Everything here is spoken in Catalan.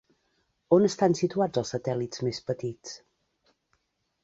On estan situats els satèl·lits més petits?